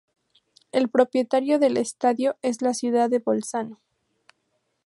El propietario del estadio es la ciudad de Bolzano.